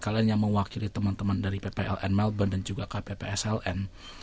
kalian yang mewakili teman teman dari ppln melbourne dan juga kppsln